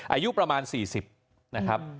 อายุประมาณ๔๐นะครับ